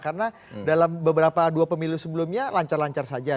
karena dalam beberapa dua pemilu sebelumnya lancar lancar saja